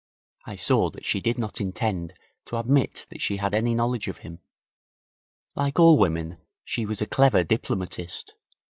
I saw that she did not intend to admit that she had any knowledge of him. Like all women, she was a clever diplomatist.